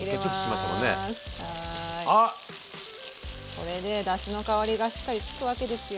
これでだしの香りがしっかりつくわけですよ。